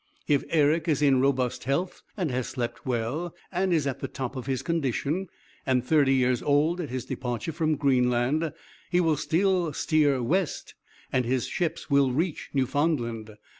If Eric is in robust health and has slept well and is at the top of his condition, and thirty years old at his departure from Greenland, he will steer west and his ships will reach Newfoundland.